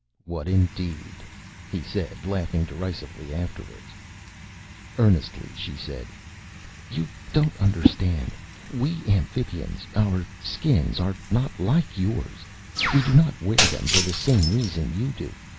"What, indeed?" he said, laughing derisively afterwards. Earnestly she said, "You don't understand. We Amphibians our Skins are not like yours. We do not wear them for the same reason you do.